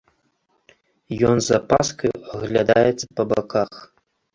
Ён з апаскаю аглядаецца па баках.